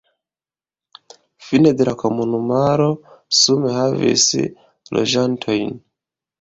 Fine de la komunumaro sume havis loĝantojn.